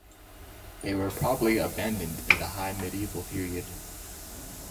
They were probably abandoned in the High Medieval Period.